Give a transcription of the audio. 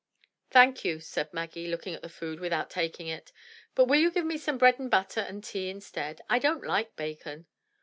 "Thank you," said Maggie, looking at the food without taking it, "but will you give me some bread and butter and tea instead? I don't like bacon.